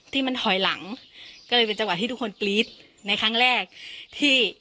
ที่มันถอยหลังก็เลยเป็นจังหวะที่ทุกคนกรี๊ดในครั้งแรกที่